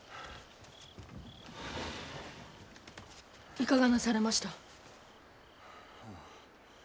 ・いかがなされました？